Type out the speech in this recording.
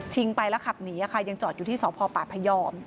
ทิ้งไปแล้วขับหนียังจอดอยู่ที่สพพย